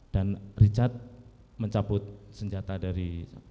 dan richard mencabut senjata dari